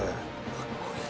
かっこいい。